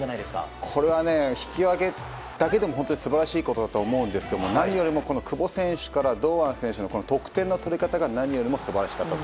これは引き分けだけでも素晴らしいことだと思いますが久保選手から堂安選手の得点の取り方が何よりすばらしかった。